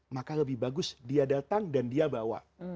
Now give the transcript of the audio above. maka lebih bagus dia datang dan dia bawa